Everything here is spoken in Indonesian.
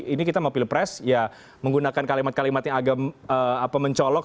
ini kita mau pilpres ya menggunakan kalimat kalimat yang agak mencolok